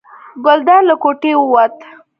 ګلداد له کوټې ووت.